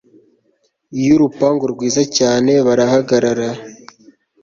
yurupangu rwiza cyane barahagara